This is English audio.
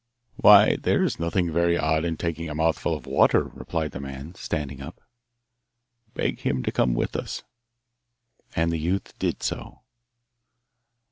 'Why, there is nothing very odd in taking a mouthful of water!' replied the man, standing up. 'Beg him to come with us.' And the youth did so.